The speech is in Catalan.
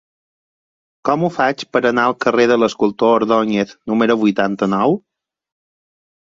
Com ho faig per anar al carrer de l'Escultor Ordóñez número vuitanta-nou?